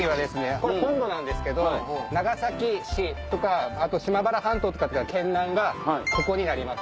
これ本土なんですけど長崎市とかあと島原半島とか県南がここになります。